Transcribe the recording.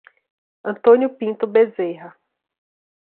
Antônio Pinto Beserra